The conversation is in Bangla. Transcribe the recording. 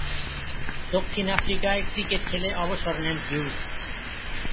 দক্ষিণ আফ্রিকায় ক্রিকেট খেলে অবসর নেন হিউজ।